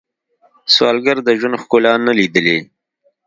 سوالګر د ژوند ښکلا نه لیدلې